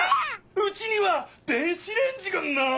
うちには電子レンジがない！